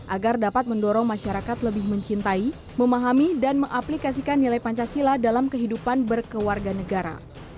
agar dapat mendorong masyarakat lebih mencintai memahami dan mengaplikasikan nilai pancasila dalam kehidupan berkeluarga negara